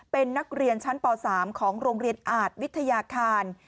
เป็นนักเรียนชั้นป๓ของโรงเรียนอาจวิทยาคาร